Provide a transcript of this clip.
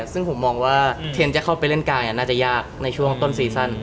ซึ่งผมมองว่าเทียนจะเข้าไปเล่นกายน่าจะยากในช่วงต้นซีซั่น